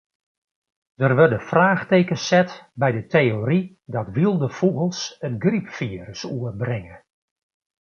Der wurde fraachtekens set by de teory dat wylde fûgels it grypfirus oerbringe.